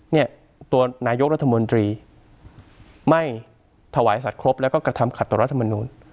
เนี่ยตัวนายกรัฐมนตรีไม่ถวายสัตว์ครบแล้วก็กระทำขัดต่อรัฐมนูล